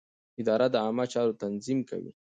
اداره د عامه چارو تنظیم کوي.